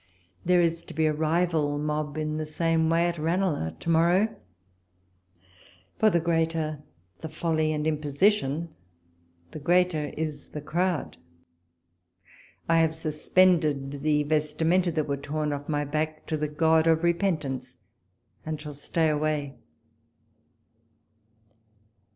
There is to be a rival mob in the same way at Ranelagh to morrow ; for the greater the folly and imposition the greater is the crowd. I hnve suspended the vestimenta that were torn off my back to the god of repent ance, and shall stay away.